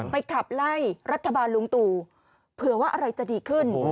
ขับไล่รัฐบาลลุงตู่เผื่อว่าอะไรจะดีขึ้น